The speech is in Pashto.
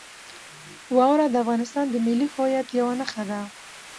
واوره د افغانستان د ملي هویت یوه نښه ده.